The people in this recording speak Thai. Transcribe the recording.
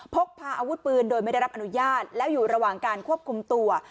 พกพาอาวุธปืนโดยไม่ได้รับอนุญาตแล้วอยู่ระหว่างการควบคุมตัว